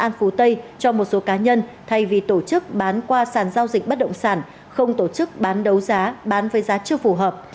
an phú tây cho một số cá nhân thay vì tổ chức bán qua sản giao dịch bất động sản không tổ chức bán đấu giá bán với giá chưa phù hợp